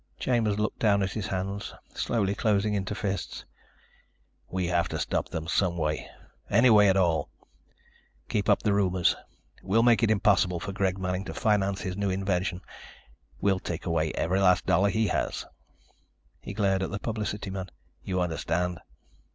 Chambers looked down at his hands, slowly closing into fists. "We have to stop them some way, any way at all. Keep up the rumors. We'll make it impossible for Greg Manning to finance this new invention. We'll take away every last dollar he has." He glared at the publicity man. "You understand?"